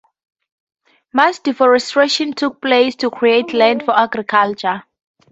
Mass deforestation took place, to create land for agriculture.